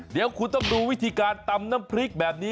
เดี๋ยวคุณต้องดูวิธีการตำน้ำพริกแบบนี้